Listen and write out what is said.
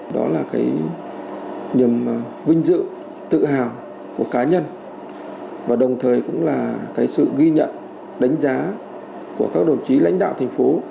đó là cái niềm vinh dự tự hào của cá nhân và đồng thời cũng là cái sự ghi nhận đánh giá của các đồng chí lãnh đạo thành phố